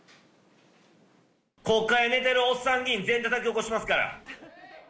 国会で寝てるおっさん議員、全員たたき起こしますから。